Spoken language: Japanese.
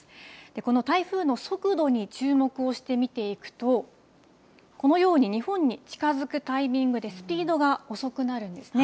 この台風の速度に注目をして見ていくと、このように日本に近づくタイミングでスピードが遅くなるんですね。